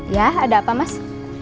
ya ada apa mas